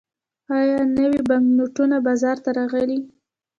آیا نوي بانکنوټونه بازار ته راغلي؟